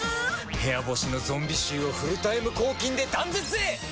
部屋干しのゾンビ臭をフルタイム抗菌で断絶へ！